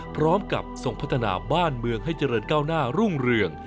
พร้อมกับส่งพัฒนาบ้านเมืองให้เจริญก้าวหน้ารุ่งเรือง